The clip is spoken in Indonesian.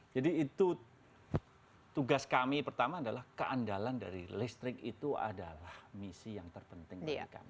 jadi itu tugas kami pertama adalah keandalan dari listrik itu adalah misi yang terpenting